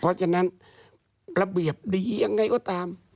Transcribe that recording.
เพราะฉะนั้นระเบียบดียังไงก็ตาม